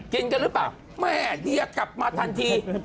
กินกันหรือเปล่าแม่เดียกลับมาทันที